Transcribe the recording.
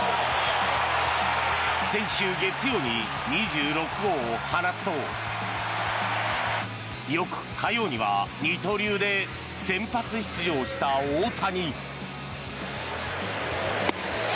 先週月曜に２６号を放つと翌火曜には二刀流で先発出場した大谷。